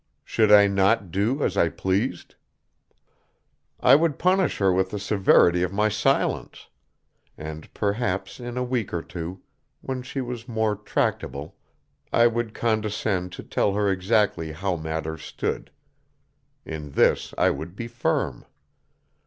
Should I not do as I pleased? I would punish her with the severity of my silence, and perhaps in a week or two, when she was more tractable, I would condescend to tell her exactly how matters stood. In this I would be firm.